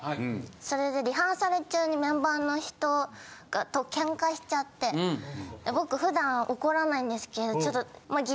それでリハーサル中にメンバーの人とケンカしちゃってぼく普段怒らないんですけど。